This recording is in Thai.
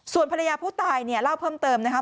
ส่วนภรรยาผู้ตายเนี่ยเล่าเพิ่มเติมนะครับ